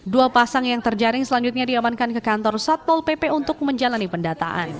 dua pasang yang terjaring selanjutnya diamankan ke kantor satpol pp untuk menjalani pendataan